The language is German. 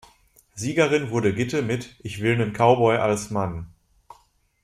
Siegerin wurde Gitte mit "Ich will ’nen Cowboy als Mann".